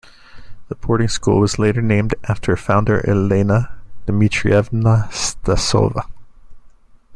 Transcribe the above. The boarding school was later named after founder Elena Dmitrievna Stasova.